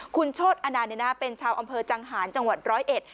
คุณโชธอนานเป็นชาวอำเภอจังหารจังหวัดร้อยเอ็ด